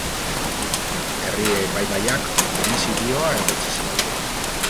Herri-epaimahaiak homizidioa egotzi zion.